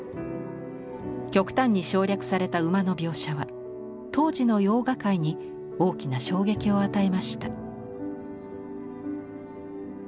極端に省略された馬の描写は当時の洋画界に大きな衝撃を与えました。